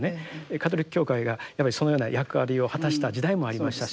カトリック教会がそのような役割を果たした時代もありましたし。